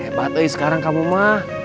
hebat lagi sekarang kamu mah